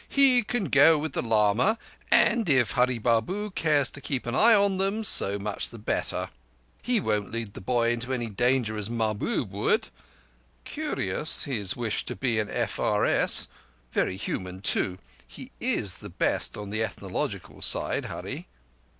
"He can go with the lama, and if Hurree Babu cares to keep an eye on them so much the better. He won't lead the boy into any danger as Mahbub would. Curious—his wish to be an F R S. Very human, too. He is best on the Ethnological side—Hurree."